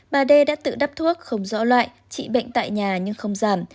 bà đê đã tự đắp thuốc không rõ loại trị bệnh tại nhà nhưng không giảm